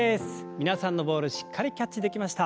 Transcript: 皆さんのボールしっかりキャッチできました。